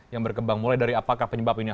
yang berkembang mulai dari apakah penyebab ini